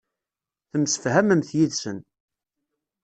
Temsefhamemt yid-sen.